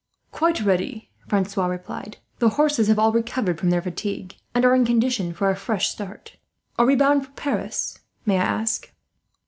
"Quite ready," Francois replied. "The horses have all recovered from their fatigue, and are in condition for a fresh start. Are we bound for Paris, may I ask?"